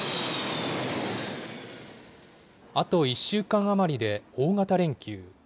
あと１週間余りで大型連休。